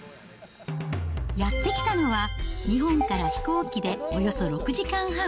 やって来たのは、日本から飛行機でおよそ６時間半。